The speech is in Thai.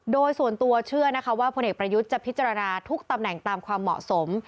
โดยส่วนตัวเชื่อนะคะว่าพลเอกประยุทธ์จะพิจารณาทุกตำแหน่งตามความเหมาะสม